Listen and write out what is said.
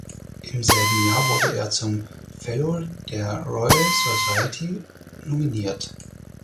Im selben Jahr wurde er zum Fellow der Royal Society nominiert.